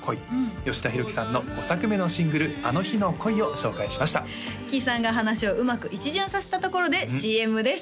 吉田ひろきさんの５作目のシングル「あの日の恋」を紹介しましたキイさんが話をうまく一巡させたところでＣＭです